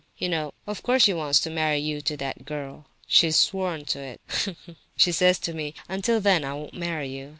You know, of course, that she wants to marry you to that girl? She's sworn to it! Ha, ha! She says to me, 'Until then I won't marry you.